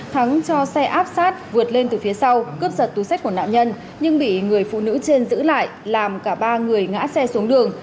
thắng cho xe áp sát vượt lên từ phía sau cướp giật túi sách của nạn nhân nhưng bị người phụ nữ trên giữ lại làm cả ba người ngã xe xuống đường